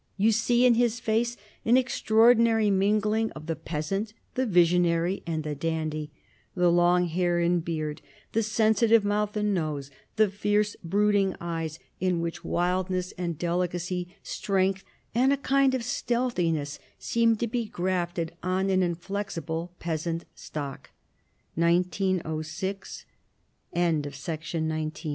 You see in his face an extraordinary mingling of the peasant, the visionary, and the dandy: the long hair and beard, the sensitive mouth and nose, the fierce brooding eyes, in which wildness and delicacy, strength and a kind of stealthiness, seem to be grafted on an inflexible peasant stock. 1906. HENRIK IB